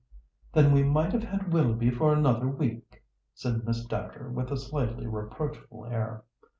"Then we might have had Willoughby for another week," said Miss Dacre, with a slightly reproachful air.